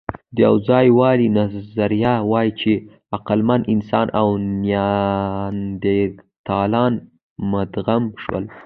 د یوځایوالي نظریه وايي، چې عقلمن انسانان او نیاندرتالان مدغم شول.